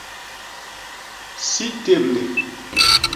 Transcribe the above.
Si téblé.